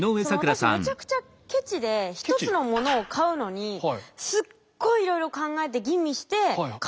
私めちゃくちゃケチで一つのモノを買うのにすっごいいろいろ考えて吟味して買うんですよ。